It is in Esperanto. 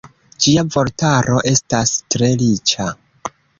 Ĝia vortaro estas tre riĉa.